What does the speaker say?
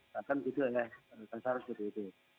kan kan itu ya kan harus begitu begitu